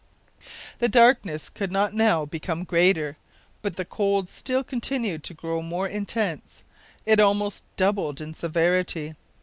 The darkness could not now become greater, but the cold still continued to grow more intense. It almost doubled in severity.